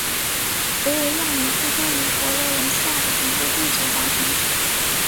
维维亚尼出生于佛罗伦萨的一个贵族家庭。